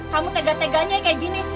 kamu tega teganya kayak gini